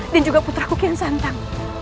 dan juga putra kiansantan